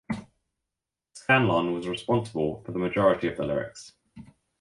Scanlon was responsible for the majority of the lyrics.